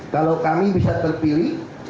kalau kami bisa terpilih